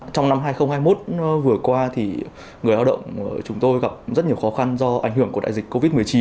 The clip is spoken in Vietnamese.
trong năm hai nghìn hai mươi một vừa qua thì người lao động chúng tôi gặp rất nhiều khó khăn do ảnh hưởng của đại dịch covid một mươi chín